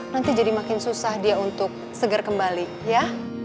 nanti jadi makin susah dia untuk seger kembali ya